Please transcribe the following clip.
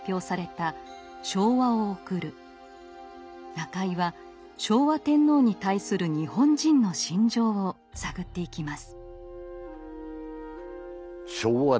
中井は昭和天皇に対する日本人の心情を探っていきます。